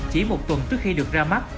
chỉ một tuần trước khi được ra mắt